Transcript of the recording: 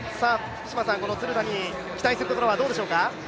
鶴田に期待するところはどうでしょうか？